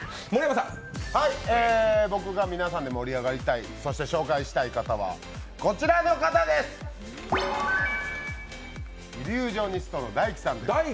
僕が皆さんで盛り上がりたい、そして紹介したい方は、こちらですイリュージョニストのＤＡＩＫＩさんです。